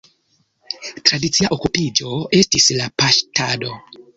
Tradicia okupiĝo estis la paŝtado.